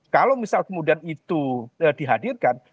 kalau misal kemudian itu dihadirkan